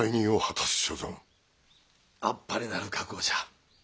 あっぱれなる覚悟じゃ。